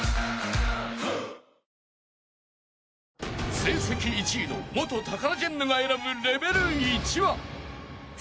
［成績１位の元タカラジェンヌが選ぶ］